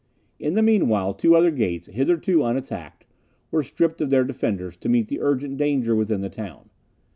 In the meanwhile, two other gates, hitherto unattacked, were stripped of their defenders, to meet the urgent danger within the town.